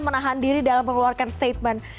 menahan diri dalam mengeluarkan statement